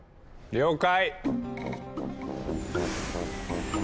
了解！